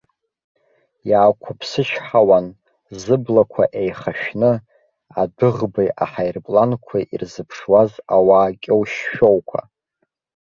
Иаақәыԥсычҳауан, зыблақәа еихашәны, адәыӷбеи аҳаирпланқәеи ирзыԥшуаз ауаа кьоу-шәоуқәа.